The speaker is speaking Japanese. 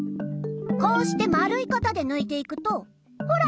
こうしてまるいかたでぬいていくとほら！